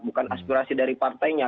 bukan aspirasi dari partainya